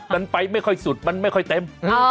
มันไปไม่ค่อยสุดมันไม่ค่อยเต็ม